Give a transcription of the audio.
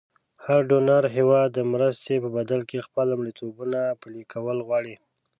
هر ډونر هېواد د مرستې په بدل کې خپل لومړیتوبونه پلې کول غواړي.